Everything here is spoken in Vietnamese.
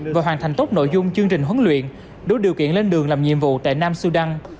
và hoàn thành tốt nội dung chương trình huấn luyện đủ điều kiện lên đường làm nhiệm vụ tại nam sudan